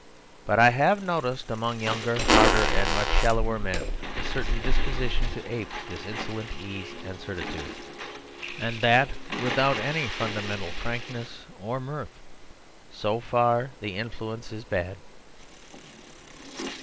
But I have noticed among younger, harder, and much shallower men a certain disposition to ape this insolent ease and certitude, and that without any fundamental frankness or mirth. So far the influence is bad.